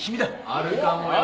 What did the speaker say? あるかもよ。